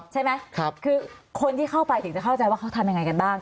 ใช่ไหมคือคนที่เข้าไปถึงจะเข้าใจว่าเขาทำยังไงกันบ้าง